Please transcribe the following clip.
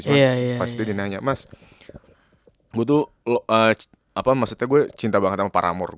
cuma pas itu dia nanya mas gue tuh apa maksudnya gue cinta banget sama paramore